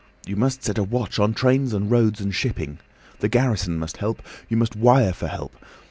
You must set a watch on trains and roads and shipping. The garrison must help. You must wire for help.